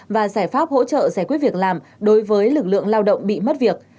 và giải pháp hỗ trợ giải quyết việc làm đối với lực lượng lao động bị mất việc